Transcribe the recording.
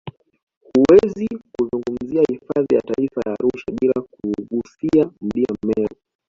Huwezi kuzungumzia hifadhi ya taifa ya Arusha bila ya kuugusia mlima Meru